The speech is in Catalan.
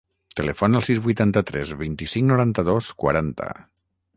Telefona al sis, vuitanta-tres, vint-i-cinc, noranta-dos, quaranta.